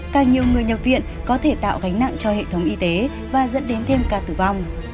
càng nhiều người nhập viện có thể tạo gánh nặng cho hệ thống y tế và dẫn đến thêm ca tử vong